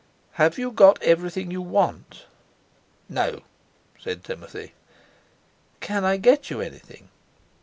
"Have you got everything you want?" "No," said Timothy. "Can I get you anything?"